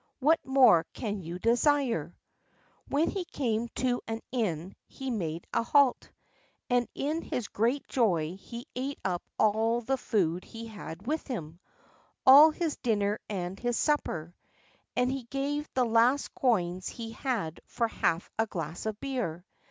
what more can you desire?" When he came to an inn he made a halt, and in his great joy he ate up all the food he had with him, all his dinner and his supper, and he gave the last coins he had for half a glass of beer.